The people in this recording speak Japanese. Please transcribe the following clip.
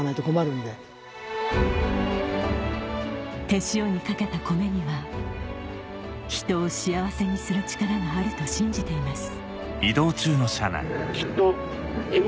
手塩にかけたコメには人を幸せにする力があると信じています